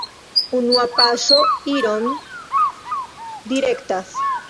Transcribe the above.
Unua paŝo iron direktas.